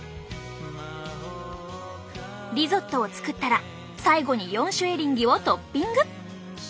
リゾットを作ったら最後に４種エリンギをトッピング。